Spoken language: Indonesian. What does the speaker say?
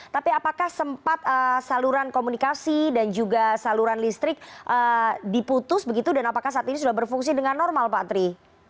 tapi apakah sempat saluran komunikasi dan juga saluran listrik diputus begitu dan apakah saat ini sudah berfungsi dengan normal pak tri